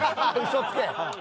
嘘つけ！